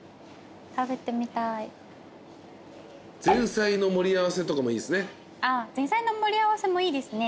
前菜の盛り合わせもいいですね。